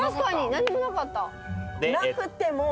何もなかった。